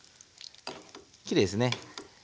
きれいですね。